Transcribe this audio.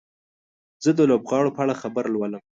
زه د لوبغاړي په اړه خبر لولم.